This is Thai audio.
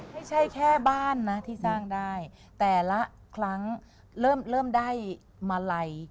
ไม่ใช่แค่บ้านนะที่สร้างได้แต่ละครั้งเริ่มเริ่มได้มาลัย